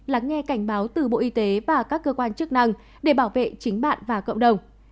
lắng nghe cảnh báo từ bộ y tế và các cơ quan chức năng để bảo vệ chính bạn và cộng đồng